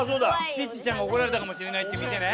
チッチちゃんが怒られたかもしれないって店ね。